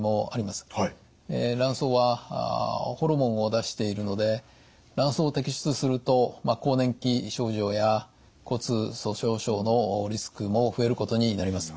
卵巣はホルモンを出しているので卵巣を摘出すると更年期症状や骨粗しょう症のリスクも増えることになります。